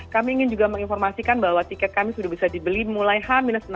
kami ingin juga menginformasikan bahwa tiket kami sudah bisa dibeli mulai h enam